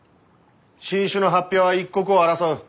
新種の発表は一刻を争う。